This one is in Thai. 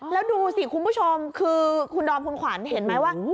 แล้วดูก่อนที่คุณผู้ชมคุณธรรมคุณขวัญเห็นไหมว่า